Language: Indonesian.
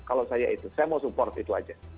kalau saya itu saya mau support itu aja